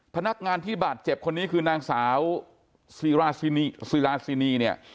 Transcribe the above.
พนักงานที่บาดเจ็บคนนี้คือนางสาวซีราซิราชินีเนี่ย